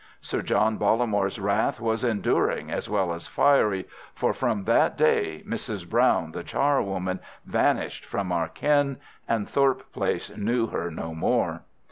Sir John Bollamore's wrath was enduring as well as fiery, for from that day Mrs. Brown, the charwoman, vanished from our ken, and Thorpe Place knew her no more.